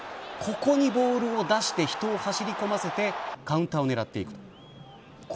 ここにボールを出して人を走り込ませてカウンターを狙っていく。